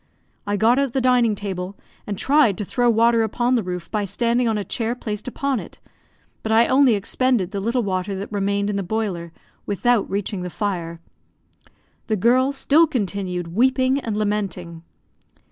I got out the dining table, and tried to throw water upon the roof by standing on a chair placed upon it, but I only expended the little water that remained in the boiler, without reaching the fire. The girl still continued weeping and lamenting.